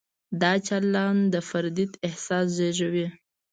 دا چلند د فردیت احساس زېږوي.